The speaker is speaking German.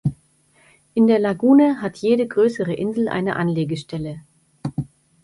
In der Lagune hat jede größere Insel eine Anlegestelle.